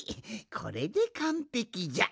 これでかんぺきじゃ。